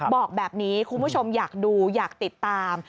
บอกแบบนี้คุณผู้ชมอยากดูอยากติดตาม